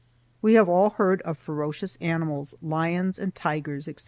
We have all heard of ferocious animals, lions and tigers, etc.